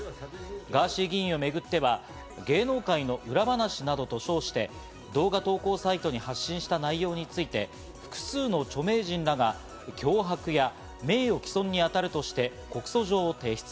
ガーシー議員をめぐっては芸能界の裏話などと称して動画投稿サイトに発信した内容について、複数の著名人らが、脅迫や名誉毀損にあたるとして、告訴状を提出。